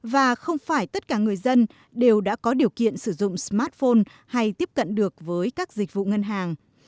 và không phải tất cả người dân đều đã có điều kiện sử dụng smartphone hay tiếp cận được với các dịch vụ ngân hàng